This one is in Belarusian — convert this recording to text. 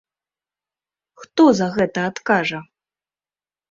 Хто за гэта адкажа?